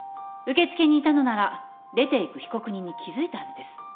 受付にいたのなら出ていく被告人に気付いたはずです。